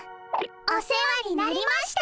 お世話になりました。